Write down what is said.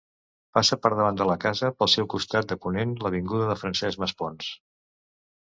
Passa per davant de la casa, pel seu costat de ponent, l'avinguda de Francesc Masponç.